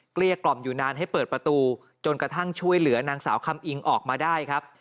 เกี้ยกล่อมอยู่นานให้เปิดประตูจนกระทั่งช่วยเหลือนางสาวคำอิงออกมาได้ครับ